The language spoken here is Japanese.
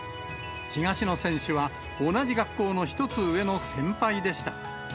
東野選手は同じ学校の１つ上の先輩でした。